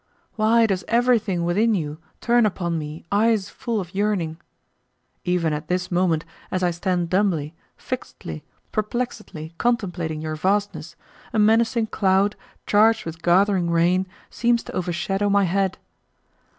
Why does everything within you turn upon me eyes full of yearning? Even at this moment, as I stand dumbly, fixedly, perplexedly contemplating your vastness, a menacing cloud, charged with gathering rain, seems to overshadow my head.